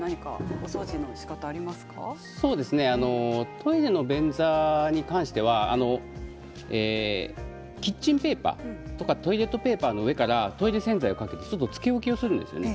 トイレの便座に関してはキッチンペーパーとかトイレットペーパーの上からトイレ洗剤をかけてつけ置きをするんですね。